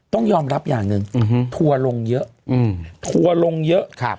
ต้องยอมรับอย่างนึงทัวร์ลงเยอะ